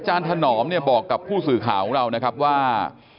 ถนอมเนี่ยบอกกับผู้สื่อข่าวของเรานะครับว่า